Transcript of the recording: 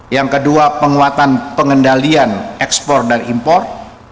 yang kedua penguatan pengendalian ekspor dan impor